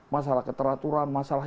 masalah keteraturan masalah